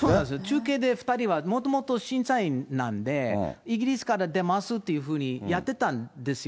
中継でもともと２人は審査員なんで、イギリスから出ますっていうふうにやってたんですよ。